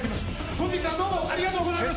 本日はどうもありがとうございます。